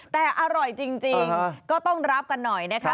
แต่อร่อยจริงก็ต้องรับกันหน่อยนะคะ